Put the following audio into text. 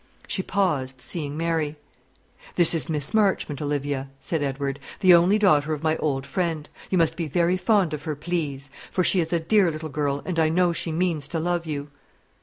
She paused, seeing Mary. "This is Miss Marchmont, Olivia," said Edward; "the only daughter of my old friend. You must be very fond of her, please; for she is a dear little girl, and I know she means to love you."